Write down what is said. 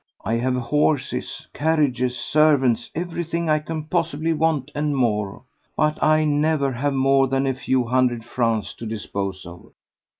I have horses, carriages, servants—everything I can possibly want and more, but I never have more than a few hundred francs to dispose of.